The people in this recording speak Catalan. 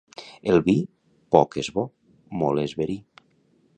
El vi, poc és bo, molt és verí.